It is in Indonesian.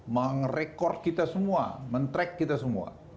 meng record kita semua men track kita semua